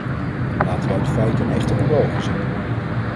Laten wij de feiten echter onder ogen zien.